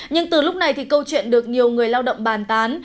nhưng từ lúc này thì câu chuyện được nhiều người lao động bàn tán